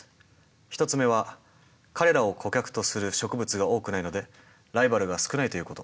１つ目は彼らを顧客とする植物が多くないのでライバルが少ないということ。